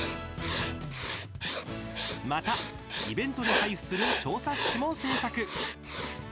また、イベントで配布する小冊子も制作。